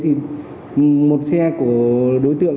thì một xe của đối tượng